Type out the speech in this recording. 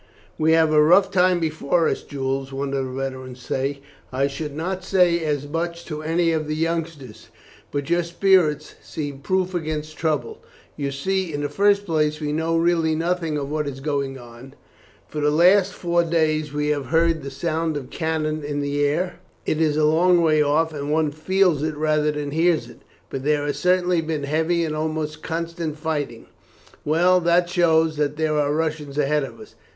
"We have a rough time before us, Jules," one of the veterans said. "I should not say as much to any of the youngsters, but your spirits seem proof against troubles. You see, in the first place, we know really nothing of what is going on. For the last four days we have heard the sound of cannon in the air. It is a long way off, and one feels it rather than hears it; but there has certainly been heavy and almost constant fighting. Well, that shows that there are Russians ahead of us.